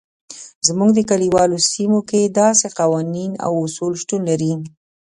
زموږ په کلیوالو سیمو کې داسې قوانین او اصول شتون لري.